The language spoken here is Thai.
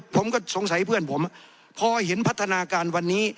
ผมก็สงสัยเพื่อนผมพอเห็นพัฒนาการวันนี้